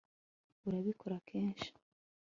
urabikora kenshi